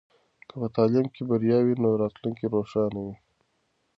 که په تعلیم کې بریا وي نو راتلونکی روښانه وي.